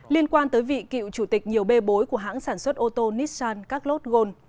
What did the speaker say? liên quan tới vị cựu chủ tịch nhiều bê bối của hãng sản xuất ô tô nissan carlos ghosn